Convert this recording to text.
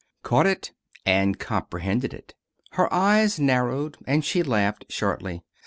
Caught it, and comprehended it. Her eyes narrowed, and she laughed shortly.